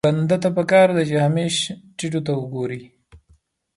بنده ته پکار ده چې همېش ټيټو ته وګوري.